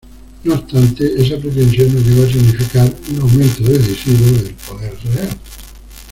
No obstante, esa pretensión no llegó a significar un aumento decisivo del poder real.